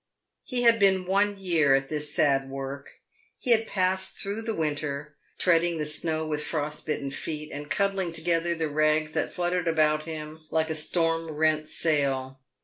He had been one year at this sad work. He had passed through the winter, treading the snow with frostbitten feet, and cuddling together the rags that fluttered about him like a storm rent sail.